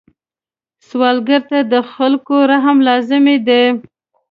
سوالګر ته د خلکو رحم لازمي دی